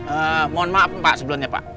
eh mohon maaf pak sebelumnya pak